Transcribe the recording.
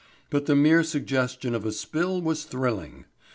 But the mere suggestion of a spill was thrilling.